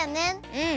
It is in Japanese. うん。